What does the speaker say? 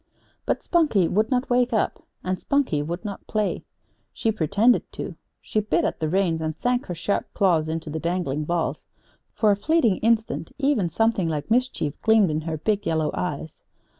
But Spunkie would not wake up, and Spunkie would not play. She pretended to. She bit at the reins, and sank her sharp claws into the dangling balls. For a fleeting instant, even, something like mischief gleamed in her big yellow eyes.